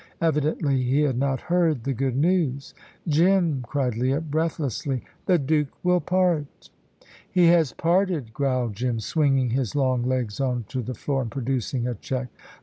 Evidently he had not heard the good news. "Jim," cried Leah, breathlessly, "the Duke will part." "He has parted," growled Jim, swinging his long legs on to the floor and producing a cheque.